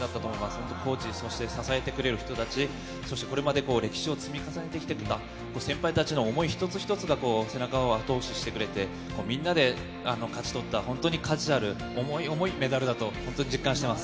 本当コーチ、そして支えてくれる人たち、そしてこれまで歴史を積み重ねてきた先輩たちの想い一つ一つが背中を後押ししてくれて、みんなで勝ち取った、本当に価値のある、重い重いメダルだと、本当に実感しています。